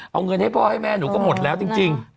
เอาเงินให้พ่อให้แม่หนูก็หมดแล้วจริง